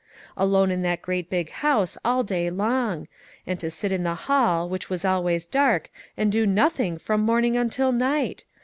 Alone in that great big house all day long ; and to sit in the hall, which was always dark, and do nothing from morning until night